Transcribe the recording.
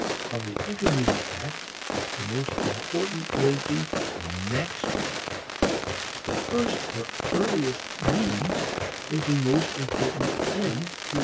Of the intermediate acts, the most important is the next one. The first or earliest means is the most important end to discover.